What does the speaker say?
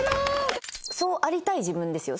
そうありたい自分ですよ？